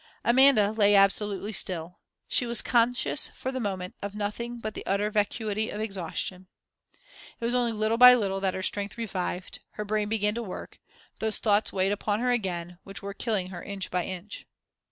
Amanda lay absolutely still. She was conscious, for the moment, of nothing but the utter vacuity of exhaustion. It was only little by little that her strength revived, her brain began to work, those thoughts weighed upon her again, which were killing her inch by inch.